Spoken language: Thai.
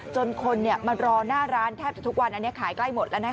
จนคนมารอหน้าร้านแทบจะทุกวันอันนี้ขายใกล้หมดแล้วนะคะ